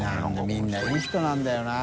みんないい人なんだよな。